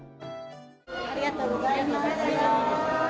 ありがとうございます。